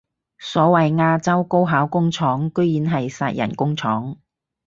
所謂亞洲高考工廠居然係殺人工廠